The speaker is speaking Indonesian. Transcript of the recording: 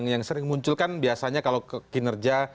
yang sering muncul kan biasanya kalau kinerja